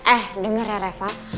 eh denger ya reva